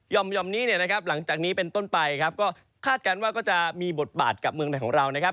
นี้เนี่ยนะครับหลังจากนี้เป็นต้นไปครับก็คาดการณ์ว่าก็จะมีบทบาทกับเมืองไทยของเรานะครับ